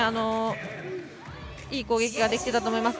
いい攻撃ができていたと思います。